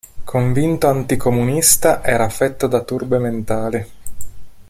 Convinto anticomunista, era affetto da turbe mentali.